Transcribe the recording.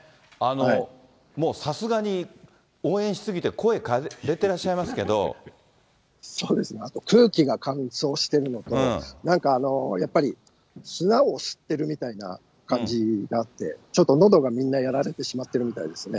もうさすがに応援しすぎて、そうですね、あと空気が乾燥してるのと、なんかやっぱり砂を吸ってるみたいな感じがあって、ちょっとのどが、みんなやられてしまっているみたいですね。